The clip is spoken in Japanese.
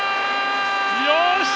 よし！